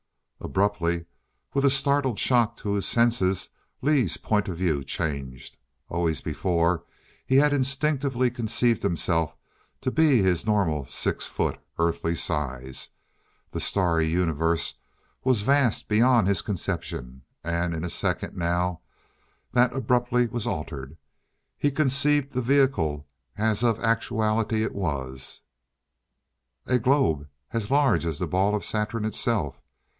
Abruptly, with a startled shock to his senses, Lee's viewpoint changed. Always before he had instinctively conceived himself to be his normal six foot earthly size. The starry Universe was vast beyond his conception. And in a second now, that abruptly was altered. He conceived the vehicle as of actuality it was a globe as large as the ball of Saturn itself!